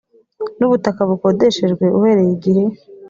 n ubutaka bukodeshejwe uhereye igihe